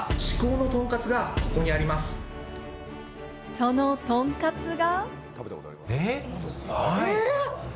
そのとんかつが。